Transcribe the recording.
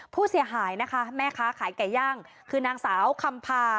ผู้เสียหายนะคะแม่ค้าขายไก่ย่างคือนางสาวคำพา